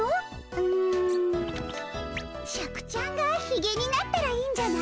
シャクちゃんがひげになったらいいんじゃない？